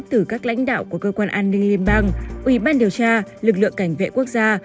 từ các lãnh đạo của cơ quan an ninh liên bang ủy ban điều tra lực lượng cảnh vệ quốc gia